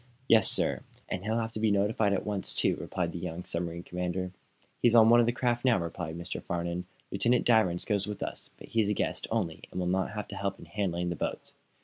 "Yes, sir; and he'll have to be notified at once, too," replied the young submarine commander. "He's on one of the craft now," replied Mr. Farnum. "Lieutenant Danvers goes with us, but he's a guest, only, and will not have to help in handling the boats.